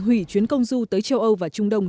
hủy chuyến công du tới châu âu và trung đông